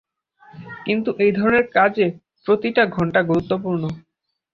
কিন্তু এই ধরনের কাজে প্রতিটা ঘণ্টা গুরুত্বপূর্ণ।